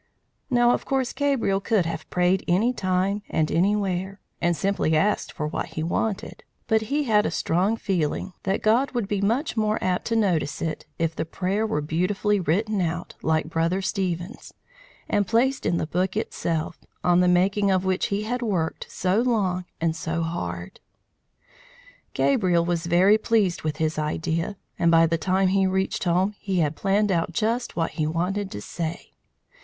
Now of course Gabriel could have prayed any time and anywhere, and simply asked for what he wanted. But he had a strong feeling that God would be much more apt to notice it, if the prayer were beautifully written out, like Brother Stephen's, and placed in the book itself, on the making of which he had worked so long and so hard. Gabriel was very pleased with his idea, and by the time he reached home, he had planned out just what he wanted to say.